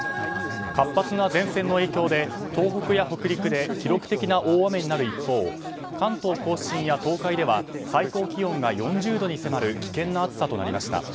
活発な前線の影響で東北や北陸で記録的な大雨になる一方関東・甲信や東海では最高気温が４０度に迫る危険な暑さとなりました。